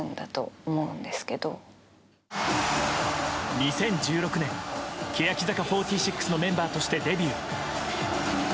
２０１６年、欅坂４６のメンバーとしてデビュー。